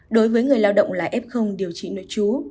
đối với người lao động là f điều trị nội chú